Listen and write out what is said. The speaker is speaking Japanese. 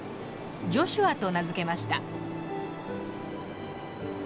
ジョシュアと名付けました。